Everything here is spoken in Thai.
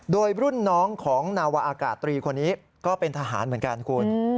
โดยรุ่นน้องของนาวาอากาศตรีคนนี้ก็เป็นทหารเหมือนกันคุณ